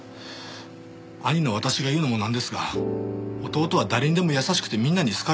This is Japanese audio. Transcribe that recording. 兄の私が言うのもなんですが弟は誰にでも優しくてみんなに好かれてました。